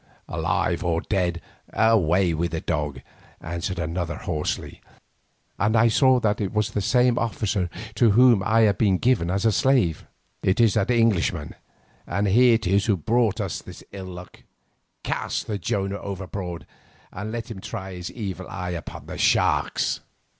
"Alive or dead, away with the dog!" answered another hoarsely, and I saw that it was the same officer to whom I had been given as a slave. "It is that Englishman, and he it is who brought us ill luck. Cast the Jonah overboard and let him try his evil eye upon the sharks."